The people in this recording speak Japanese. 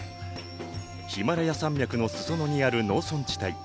ヒマラヤ山脈の裾野にある農村地帯。